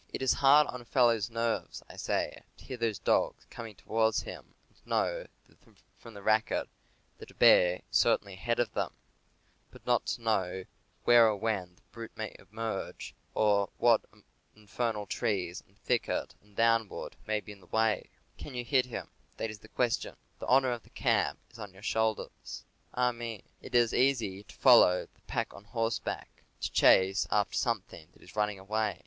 '^ It is hard on a fellow's nerves, I say, to hear those dogs coming toward him, and to know from the racket A Good Day's Shoot An Ideal Camp Fire MARKSMANSHIP IN THE WOODS 99 that a bear is certainly ahead of them, but not to know where or when the brute may emerge, nor what infernal trees and thicket and downwood may be in the way. Can you hit him ? That is the question. The honor of the camp is on your shoulders. Ah, me! it is easy to follow the pack on horseback — to chase after some thing that is running away.